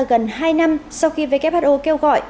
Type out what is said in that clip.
gần hai năm sau khi who kêu gọi